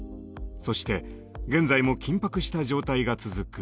そして現在も緊迫した状態が続く